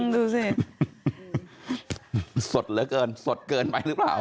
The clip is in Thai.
ดูสิสดเหลือเกินสดเกินไปหรือเปล่า